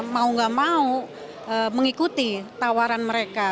mau gak mau mengikuti tawaran mereka